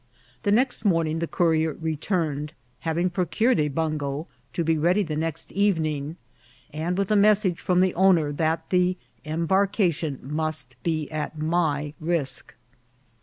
The next morning the courier returned, hav ing procured a bungo, to be ready the next evening, and with a message from the owner that the embarca tion must be at my risk.